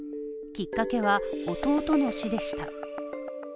きっかけは、弟の死でした。